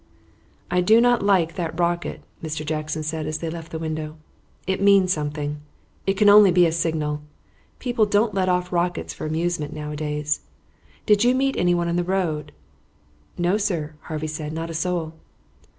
"I do not like that rocket," Mr. Jackson said as they left the window. "It means something. It can only be a signal. People don't let off rockets for amusement nowadays. Did you meet anyone on the road?" "No, sir," Harvey said, "not a soul."